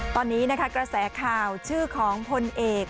ตอนนี้นะคะกระแสข่าวชื่อของพลเอก